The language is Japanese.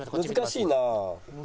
難しいな。